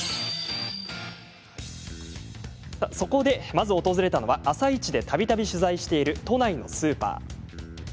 そこで、まず訪れたのは「あさイチ」でたびたび取材している都内のスーパー。